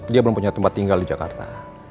dia belum punya tempat tinggal di jakarta